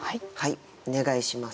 お願いします。